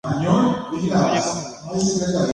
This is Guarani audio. Tujuju ñemohenda.